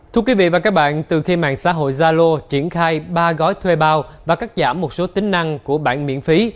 thưa quý vị và các bạn từ khi mạng xã hội zalo triển khai ba gói thuê bao và cắt giảm một số tính năng của bạn miễn phí